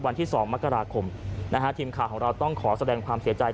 วันที่๒มกราคมนะฮะทีมข่าวของเราต้องขอแสดงความเสียใจ